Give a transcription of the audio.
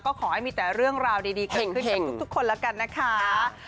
ก็ขอให้มีแต่เรื่องราวเดียวดีขึ้นกับทุกคนละกันนะคะ